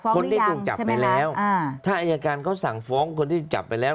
คนที่ถูกจับไปแล้วถ้าอายการเขาสั่งฟ้องคนที่จับไปแล้ว